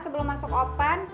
sebelum masuk oven